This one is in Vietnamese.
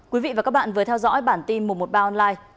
quý vị và các bạn vừa theo dõi bản tin một trăm một mươi ba online